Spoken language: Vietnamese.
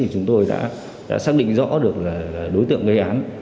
chúng tôi đã xác định rõ được là đối tượng gây án